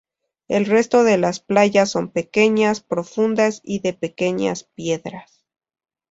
El resto de las playas son pequeñas, profundas y de pequeñas piedras.